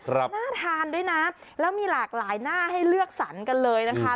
น่าทานด้วยนะแล้วมีหลากหลายหน้าให้เลือกสรรกันเลยนะคะ